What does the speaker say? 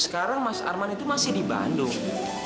sekarang mas arman itu masih di bandung